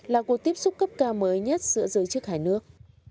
là cuộc tiếp xúc cấp cao mới nhất giữa giới chức hai nước